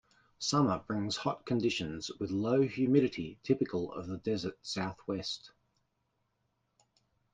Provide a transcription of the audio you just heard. Summer brings hot conditions with low humidity typical of the desert southwest.